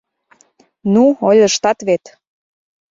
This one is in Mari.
— Ну, ойлыштат вет.